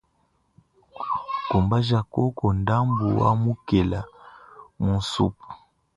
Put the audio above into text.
Kumbaja koku ndambu wa mukela mu nsupu.